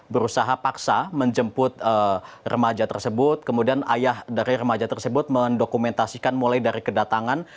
berusaha paksa menjemput remaja tersebut kemudian ayah dari remaja tersebut mendokumentasikan mulai dari kedatangan